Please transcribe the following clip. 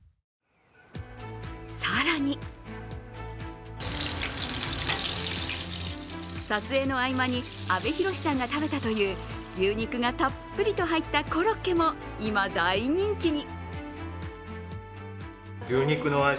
更に、撮影の合間に阿部寛さんが食べたという牛肉がたっぷりと入ったコロッケも、今、大人気に。